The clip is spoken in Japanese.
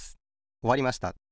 おわりました。